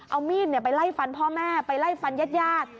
เอามีดไปไล่ฟันพ่อแม่ไปไล่ฟันญาติ